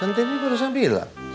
ya centini barusan bilang